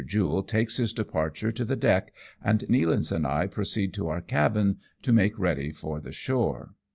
Jule takes his departure to the deck, and Nealance and I proceed to our cabin to make ready for the shore.